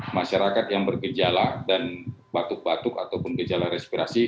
masyarakat yang bergejala dan batuk batuk ataupun gejala respirasi